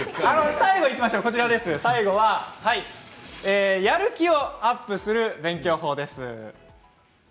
最後はやる気をアップする勉強法です。